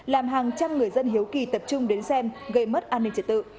làm hàng trăm người dân hiếu kỳ tập trung đến xem gây mất an ninh trật tự